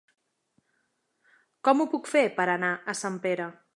Com ho puc fer per anar a Sempere?